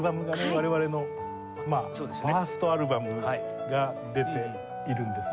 我々のファーストアルバムが出ているんですね。